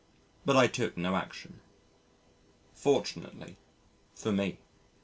But I took no action. [Fortunately for me.